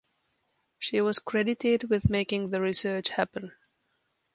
She was credited with making the research happen.